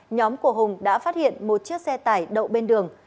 nhóm của hùng đã phát hiện một chiếc xe tải đậu bên đường